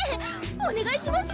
お願いします！